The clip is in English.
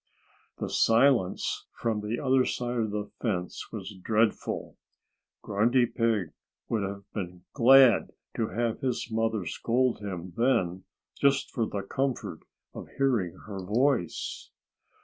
The silence from the other side of the fence was dreadful. Grunty Pig would have been glad to have his mother scold him then, just for the comfort of hearing her voice.